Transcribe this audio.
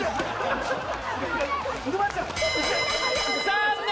残念！